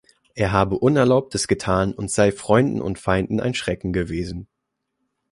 Er habe Unerlaubtes getan und sei Freunden und Feinden ein Schrecken gewesen.